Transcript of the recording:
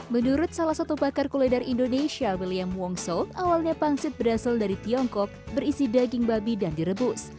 menurut salah satu bakar kuliner indonesia william wongso awalnya pangsit berasal dari tiongkok berisi daging babi dan direbus